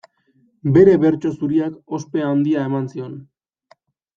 Bere bertso zuriak ospe handia eman zion.